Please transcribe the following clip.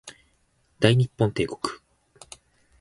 大日本帝国